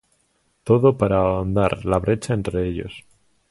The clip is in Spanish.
Todo para ahondar la brecha entre ellos.